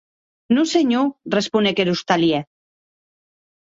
Non senhor, responec er ostalièr.